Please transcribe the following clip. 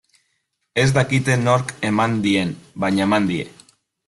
Ez dakite nork eman dien, baina eman die.